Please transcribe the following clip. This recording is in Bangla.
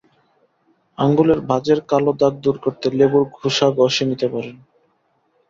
আঙুলের ভাঁজের কালো দাগ দূর করতে লেবুর খোসা ঘষে নিতে পারেন।